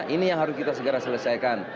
ini yang harus kita segera selesaikan